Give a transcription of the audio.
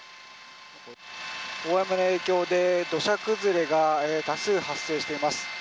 大雨の影響で土砂崩れが多数発生しています。